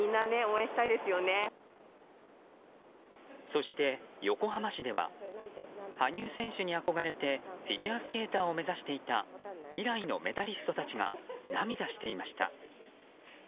そして、横浜市では羽生選手に憧れてフィギュアスケーターを目指していた未来のメダリストたちが涙していました。